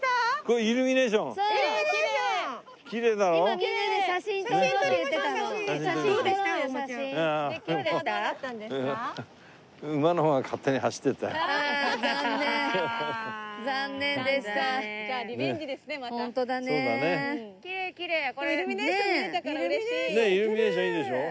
イルミネーションいいでしょ？